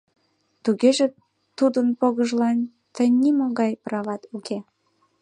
Тугеже тудын погыжлан тыйын нимогай прават уке.